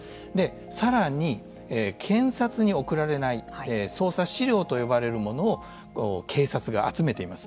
さらに検察に送られない捜査資料と呼ばれるものを警察が集めています。